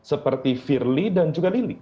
seperti firly dan juga lilik